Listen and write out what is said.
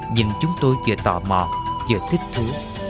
nhìn chúng tôi vừa tò mò vừa thích thú